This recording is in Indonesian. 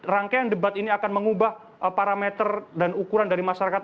rangkaian debat ini akan mengubah parameter dan ukuran dari masyarakat